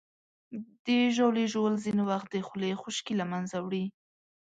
د ژاولې ژوول ځینې وخت د خولې خشکي له منځه وړي.